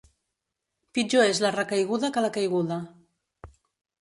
Pitjor és la recaiguda que la caiguda.